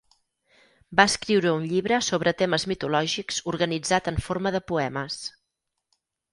Va escriure un llibre sobre temes mitològics organitzat en forma de poemes.